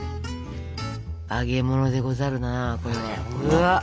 揚げ物でござるなこれは。